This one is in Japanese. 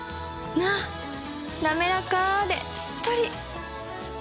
なめらかでしっとり！